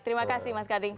terima kasih mas karli